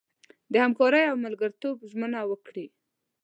د همکارۍ او ملګرتوب ژمنه وکړي.